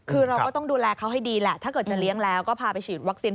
คือเราก็ต้องดูแลเขาให้ดีแหละถ้าเกิดจะเลี้ยงแล้วก็พาไปฉีดวัคซีน